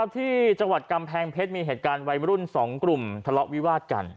ที่จังหวัดกำแพงเพชรมีเหตุการณ์วัยรุ่น๒กลุ่มทะเลาะวิวาดกัน